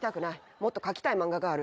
もっと描きたい漫画がある。